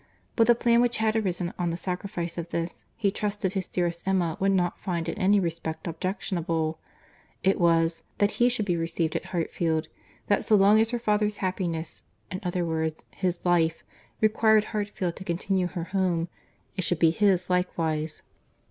But the plan which had arisen on the sacrifice of this, he trusted his dearest Emma would not find in any respect objectionable; it was, that he should be received at Hartfield; that so long as her father's happiness—in other words, his life—required Hartfield to continue her home, it should be his likewise.